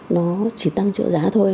nó chỉ tăng trợ giá thôi